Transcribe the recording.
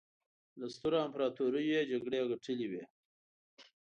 له سترو امپراطوریو یې جګړې ګټلې وې.